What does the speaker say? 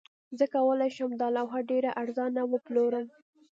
زه کولی شم دا لوحه ډیره ارزانه وپلورم